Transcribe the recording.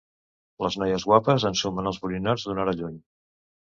Les noies guapes ensumen els borinots d'una hora lluny.